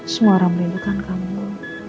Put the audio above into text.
semua orang melindungi kamu